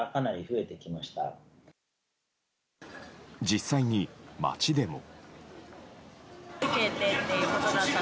実際に街でも。